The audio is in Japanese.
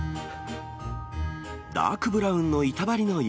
ダークブラウンの板張りの床